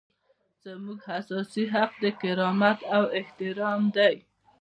زموږ اساسي حق د کرامت او احترام دی.